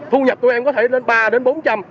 thu nhập tụi em có thể lên ba đến bốn trăm linh